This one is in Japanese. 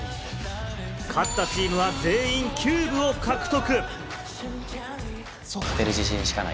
勝ったチームは全員キューブを獲得。